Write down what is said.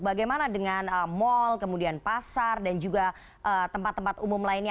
bagaimana dengan mal kemudian pasar dan juga tempat tempat umum lainnya